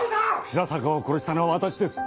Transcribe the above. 白坂を殺したのは私です。